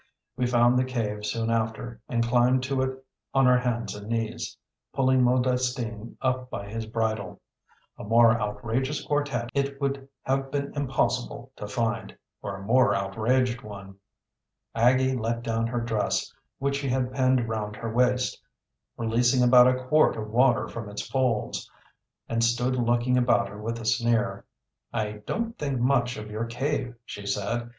We found the cave soon after and climbed to it on our hands and knees, pulling Modestine up by his bridle. A more outrageous quartet it would have been impossible to find, or a more outraged one. Aggie let down her dress, which she had pinned round her waist, releasing about a quart of water from its folds, and stood looking about her with a sneer. "I don't think much of your cave," she said.